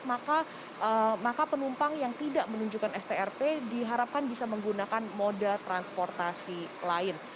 maka penumpang yang tidak menunjukkan strp diharapkan bisa menggunakan moda transportasi lain